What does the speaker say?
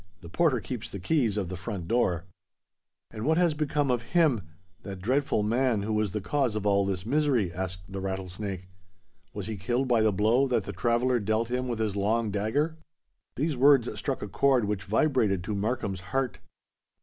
The porter keeps the keys of the front door." "And what has become of him—that dreadful man who was the cause of all this misery?" asked the Rattlesnake. "Was he killed by the blow that the Traveller dealt him with his long dagger?" These words struck a chord which vibrated to Markham's heart.